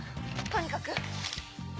とにかく。